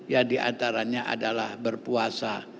yang diantaranya adalah berpuasa